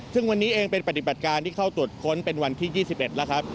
ซึ่งวันนี้เองเป็นปฏิบัติการที่เข้าตรวจค้นเป็นวันที่๒๑แล้วครับ